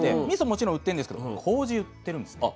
もちろん売ってるんですけどこうじ売ってるんですね。